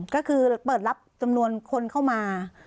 ก็คือเปิดรับจำนวนคนเข้ามา